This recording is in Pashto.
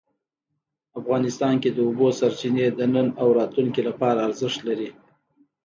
افغانستان کې د اوبو سرچینې د نن او راتلونکي لپاره ارزښت لري.